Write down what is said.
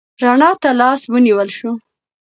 رڼا ته لاس ونیول شو.